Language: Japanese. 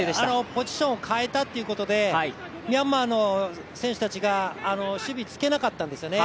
ポジションを変えたということでミャンマーの選手たちが守備つけなかったんですよね。